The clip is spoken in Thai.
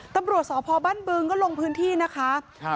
ตำรวจสพบ้านบึงก็ลงพื้นที่นะคะ